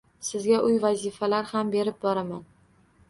Sizga uyga vazifalar ham berib boraman.